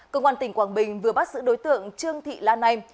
công an tỉnh quảng bình vừa bắt giữ đối tượng trương thị lan anh